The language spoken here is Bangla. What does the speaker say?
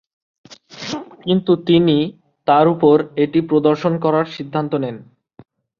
কিন্তু তিনি তার উপর এটি প্রদর্শন করার সিদ্ধান্ত নেন।